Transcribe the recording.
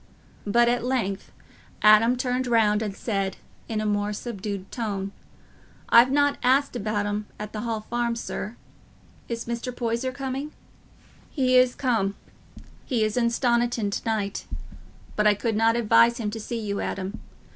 But at length Adam turned round and said, in a more subdued tone, "I've not asked about 'em at th' Hall Farm, sir. Is Mr. Poyser coming?" "He is come; he is in Stoniton to night. But I could not advise him to see you, Adam.